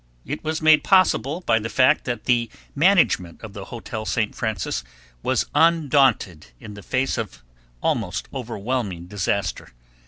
It was made possible by the fact that the management of the Hotel St. Francis was undaunted in the face of almost overwhelming disaster.